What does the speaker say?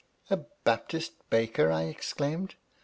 " A Baptist baker !" I exclaimed.